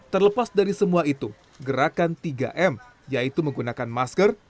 terlepas dari semua itu gerakan tiga m yaitu menggunakan masker